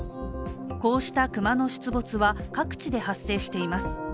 こうした熊の出没は各地で発生しています。